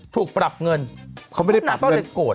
ถูกปรับเงินมันหนักก็เลยโกรธ